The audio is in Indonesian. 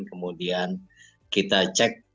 kemudian kita cek kondisi